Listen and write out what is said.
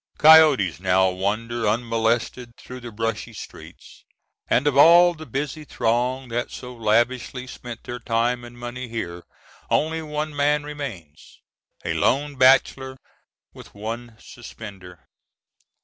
Coyotes now wander unmolested through the brushy streets, and of all the busy throng that so lavishly spent their time and money here only one man remains—a lone bachelor with one suspender.